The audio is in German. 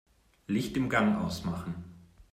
Licht im Gang ausmachen.